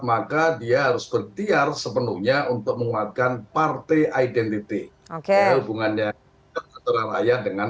maka dia harus bertiar sepenuhnya untuk menguatkan partai identity oke hubungannya antara rakyat dengan